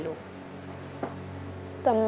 ขอบคุณครับ